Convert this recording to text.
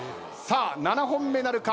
７本目なるか。